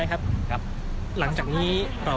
ไม่ใช่นี่คือบ้านของคนที่เคยดื่มอยู่หรือเปล่า